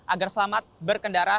agar selamat berkendara